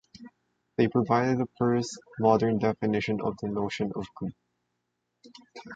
They provided the first modern definition of the notion of group.